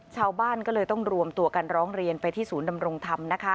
ชาวบ้านก็เลยต้องรวมตัวกันร้องเรียนไปที่ศูนย์ดำรงธรรมนะคะ